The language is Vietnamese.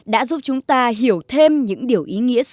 đã giúp chúng ta hiểu thêm những điều ý nghĩa của chúng ta